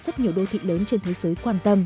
rất nhiều đô thị lớn trên thế giới quan tâm